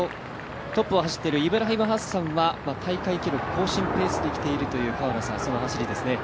トップを走っているイブラヒム・ハッサンは大会記録更新ペースできている走りですね。